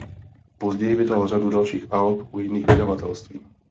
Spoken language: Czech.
Později vydal řadu dalších alb u jiných vydavatelství.